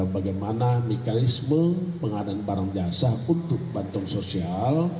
bagaimana mekanisme pengadaan barang jasa untuk bantuan sosial